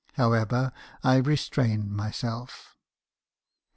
However, I restrained myself.